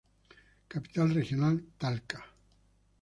Capital Regional: Talca.